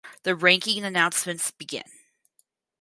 The ranking announcements begin.